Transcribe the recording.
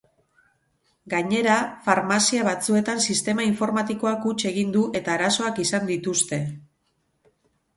Gainera, farmazia batzuetan sistema informatikoak huts egin du eta arazoak izan dituzte.